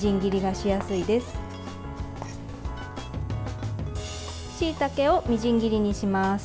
しいたけをみじん切りにします。